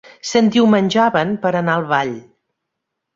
S'endiumenjaven per anar al ball.